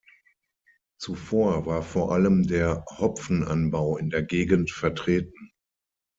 Zuvor war vor allem der Hopfenanbau in der Gegend vertreten.